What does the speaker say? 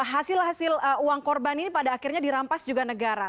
hasil hasil uang korban ini pada akhirnya dirampas juga negara